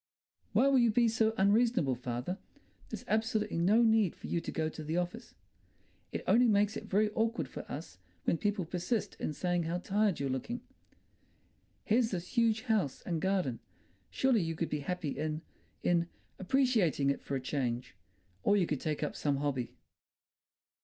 "Why will you be so unreasonable, father? There's absolutely no need for you to go to the office. It only makes it very awkward for us when people persist in saying how tired you're looking. Here's this huge house and garden. Surely you could be happy in—in—appreciating it for a change. Or you could take up some hobby."